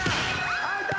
アウト。